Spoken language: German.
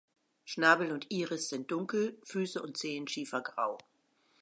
Schnabel und Iris sind dunkel, Füße und Zehen schiefergrau.